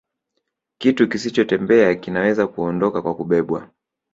Kitu kisichotembea kinaweza kuondoka kwa kubebwa